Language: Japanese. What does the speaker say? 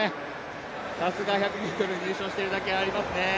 さすが１００ｍ入賞しているだけありますね。